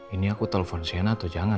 ini aku telepon sienna atau jangan ya